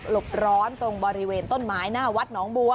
บร้อนตรงบริเวณต้นไม้หน้าวัดหนองบัว